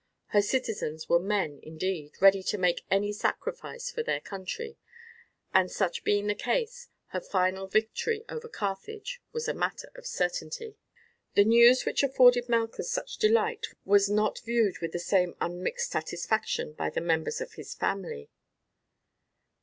Her citizens were men, indeed, ready to make any sacrifice for their country; and such being the case, her final victory over Carthage was a matter of certainty. The news which afforded Malchus such delight was not viewed with the same unmixed satisfaction by the members of his family.